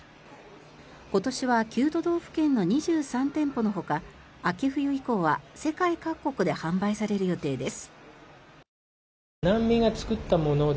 今年は９都道府県の２３店舗のほか秋冬以降は世界各国で販売される予定です。